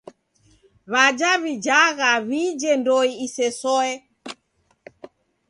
W'aja w'ijagha w'ije ndoe isesoe.